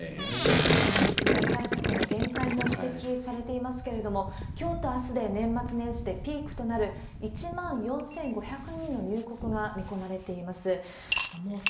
水際対策の限界も指摘されていますけれども、きょうとあすで年末年始でピークとなる１万４５００人の入国が見込まれています。